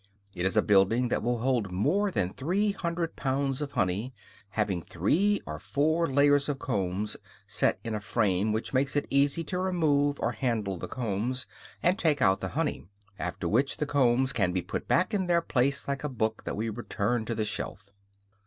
It is a building that will hold more than three hundred pounds of honey, having three or four layers of combs set in a frame which makes it easy to remove or handle the combs and take out the honey; after which, the combs can be put back in their place like a book that we return to the shelf.